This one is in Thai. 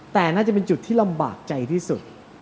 แต่น่าจะเป็นจุดที่ลำบากใจที่สุด